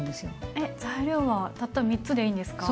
えっ材料はたった３つでいいんですか？